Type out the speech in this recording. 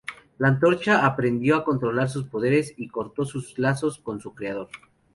La antorcha aprendió a controlar sus poderes y cortó sus lazos con su creador.